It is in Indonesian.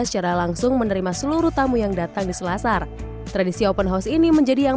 secara langsung menerima seluruh tamu yang datang di selasar tradisi open house ini menjadi yang